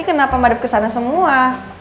ini kenapa marif nasional semua